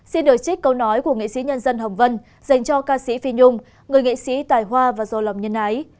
xin lời trích câu nói của nghệ sĩ nhân dân hồng vân dành cho ca sĩ phi nhung người nghệ sĩ tài hoa và dồ lòng nhân ái